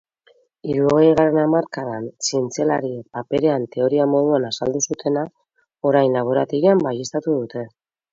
Hirurogeigarren hamarkadan zientzialariek paperean teoria moduan azaldu zutena, orain laborategian baieztatu dute.